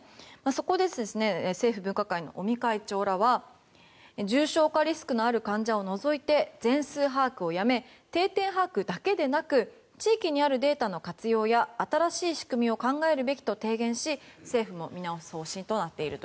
そこで、政府分科会の尾身会長らは重症化リスクのある患者を除いて全数把握をやめ定点把握だけでなく地域にあるデータの活用や新しい仕組みを考えるべきと提言し政府も見直す方針となっています。